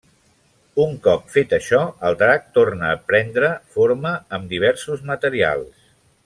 Un cop fet això el drac torna a prendre forma amb diversos materials.